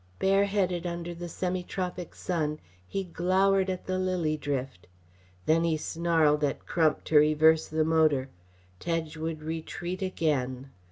Bareheaded under the semi tropic sun, he glowered at the lily drift. Then he snarled at Crump to reverse the motor. Tedge would retreat again!